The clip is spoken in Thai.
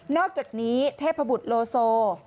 อกจากนี้เทพบุตรโลโซ